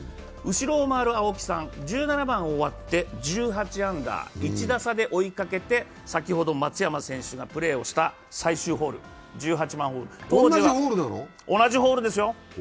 後を回る青木さん、１７番終わって１８アンダー、１打差で追いかけて、先ほど、松山選手がプレーした最終ホール、１８番ホール、同じホールですよ。